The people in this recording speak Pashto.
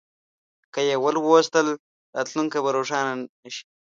که یې ولوستل، راتلونکی به روښانه شي.